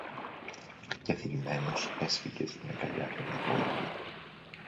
και θλιμμένος έσφιγγε στην αγκαλιά του την κόρη του